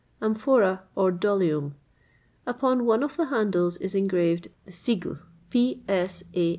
Amphora, or Dolium. Upon one of the handles is engraved the sigles P. S. A.